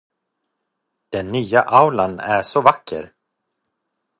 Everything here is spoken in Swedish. Den nya aulan är så vacker!